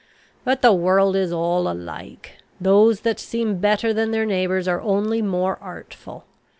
But the world is all alike. Those that seem better than their neighbours, are only more artful.